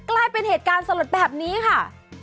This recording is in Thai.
ใกล้เป็นเหตุการณ์สะหรับแบบนี้ค่ะ